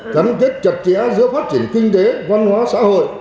gắn kết chặt chẽ giữa phát triển kinh tế văn hóa xã hội